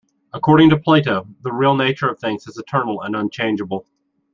According to Plato, the real nature of things is eternal and unchangeable.